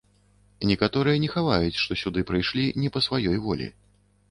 Некаторыя не хаваюць, што сюды прыйшлі не па сваёй волі.